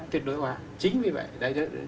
tuyệt đối hóa